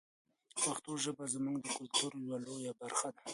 پښتو ژبه زموږ د کلتور یوه لویه برخه ده.